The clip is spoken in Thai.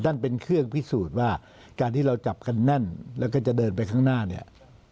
นั่นเป็นเครื่องพิสูจน์ว่าการที่เราจับกันแน่นแล้วก็จะเดินไปข้างหน้าเนี่ย